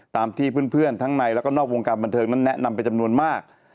ตามที่เพื่อนทั้งในแล้วก็นอกวงการบันเทิงนั้นแนะนำเป็นจำนวนมาก